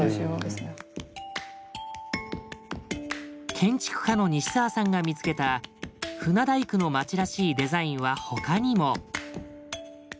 建築家の西沢さんが見つけた船大工の町らしいデザインはほかにも。